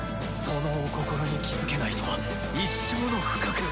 そのお心に気付けないとは一生の不覚！